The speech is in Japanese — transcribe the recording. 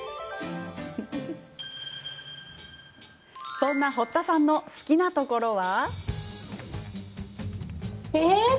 そんな堀田さんの好きなところは？